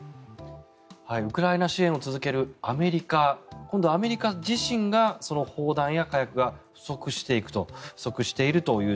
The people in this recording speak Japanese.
ウクライナ支援を続けるアメリカ今度はアメリカ自身が砲弾や火薬が不足しているという。